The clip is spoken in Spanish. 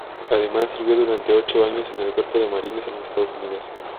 Además sirvió durante ocho años en el Cuerpo de Marines de los Estados Unidos.